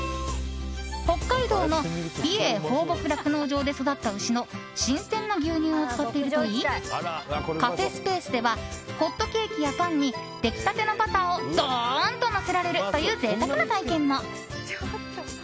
北海道の美瑛放牧酪農場で育った牛の新鮮な牛乳を使っているといいカフェスペースではホットケーキやパンに出来たてのバターをドーンとのせられるという贅沢な体験も。